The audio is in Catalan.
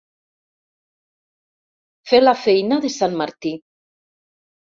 Fer la feina de sant Martí.